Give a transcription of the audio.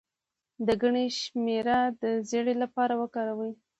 د ګني شیره د زیړي لپاره وکاروئ